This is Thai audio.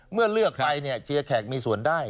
เมื่อเลือกไปเชียร์แขกมีส่วนได้